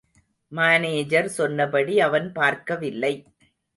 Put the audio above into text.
Manager சொன்னபடி அவன் பார்க்கவில்லை.